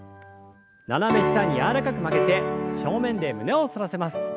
斜め下に柔らかく曲げて正面で胸を反らせます。